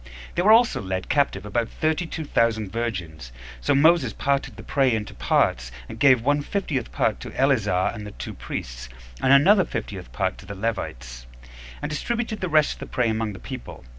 There were also led captive about thirty two thousand virgins. 14 So Moses parted the prey into parts, and gave one fiftieth part to Eleazar and the two priests, and another fiftieth part to the Levites; and distributed the rest of the prey among the people.